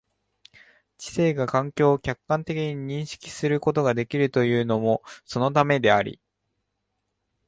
知性が環境を客観的に認識することができるというのもそのためであり、